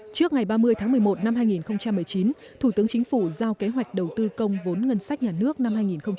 trước ngày ba mươi tháng một mươi một năm hai nghìn một mươi chín thủ tướng chính phủ giao kế hoạch đầu tư công vốn ngân sách nhà nước năm hai nghìn hai mươi